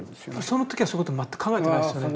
その時はそういうこと全く考えてないですよね。